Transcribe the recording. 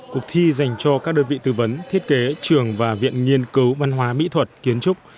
cuộc thi dành cho các đơn vị tư vấn thiết kế trường và viện nghiên cứu văn hóa mỹ thuật kiến trúc